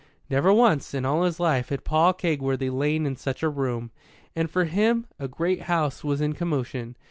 Never once, in all his life, had Paul Kegworthy lain in such a room. And for him a great house was in commotion.